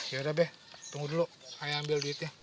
yaudah deh tunggu dulu ayo ambil duitnya